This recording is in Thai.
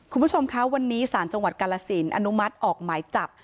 คุณผู้ชมคะวันนี้ศาลจังหวัดกาลสินอนุมัติออกหมายจับ